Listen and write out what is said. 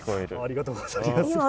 ありがとうござりまする。